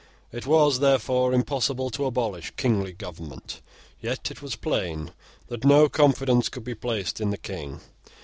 It was therefore impossible to abolish kingly government. Yet it was plain that no confidence could be placed in the King.